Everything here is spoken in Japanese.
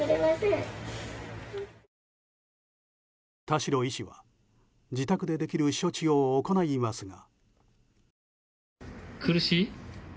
田代医師は自宅でできる処置を行いますが。